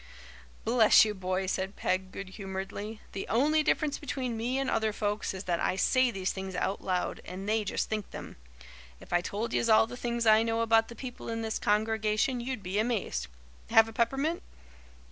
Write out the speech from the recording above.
"Bless you, boy," said Peg good humouredly, "the only difference between me and other folks is that I say these things out loud and they just think them. If I told yez all the things I know about the people in this congregation you'd be amazed. Have a peppermint?"